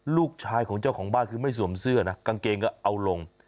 ลูกชายของเจ้าของบ้านคือไม่สวมเสื้อนะกางเกงก็เอาลง